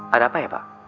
ada apa ya pak